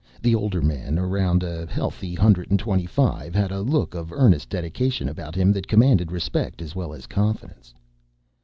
The older man, around a healthy hundred and twenty five, had a look of earnest dedication about him that commanded respect as well as confidence.